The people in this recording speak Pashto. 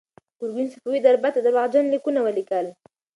ګورګین صفوي دربار ته درواغجن لیکونه ولیکل.